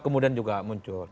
kemudian juga muncul